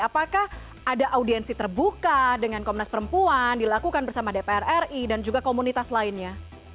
apakah ada audiensi terbuka dengan komnas perempuan dilakukan bersama dpr ri dan juga komunitas lainnya